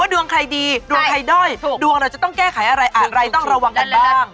ดวงใครดีดวงใครด้อยดวงเราจะต้องแก้ไขอะไรอะไรต้องระวังกันบ้าง